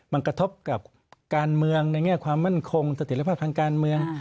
มันกระทบกับการเมืองในแง่ความมั่นคงสถิตภาพทางการเมือง